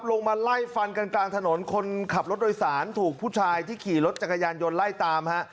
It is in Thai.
ลงมาไล่ฟันกันกลางถนนคนขับรถโดยสารถูกผู้ชายที่ขี่รถจักรยานยนต์ไล่ตามฮะ